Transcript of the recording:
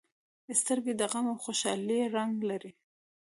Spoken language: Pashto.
سترګې د غم او خوشالۍ رنګ لري